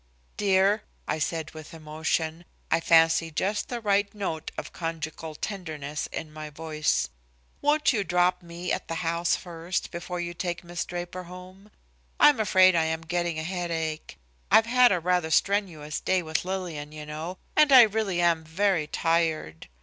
"Dear," I said with emotion, I fancy just the right note of conjugal tenderness in my voice. "Won't you drop me at the house first before you take Miss Draper home? I'm afraid I am getting a headache. I've had a rather strenuous day with Lillian, you know, and I really am very tired.